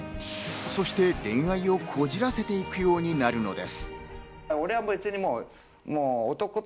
そして恋愛をこじらせていくようになるのです。